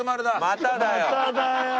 まただよ。